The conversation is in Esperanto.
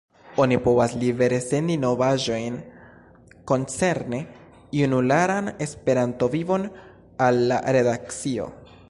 Oni povas libere sendi novaĵojn koncerne junularan Esperanto-vivon al la redakcio.